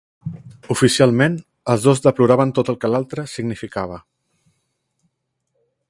Oficialment, els dos deploraven tot el que l'altre significava.